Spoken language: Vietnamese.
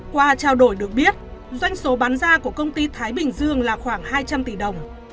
qua trao đổi được biết doanh số bán ra của công ty thái bình dương là khoảng hai trăm linh tỷ đồng